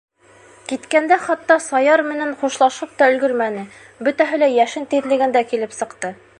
Киткәндә хатта Саяр менән хушлашып та өлгөрмәне, бөтәһе лә йәшен тиҙлегендә килеп сыҡты.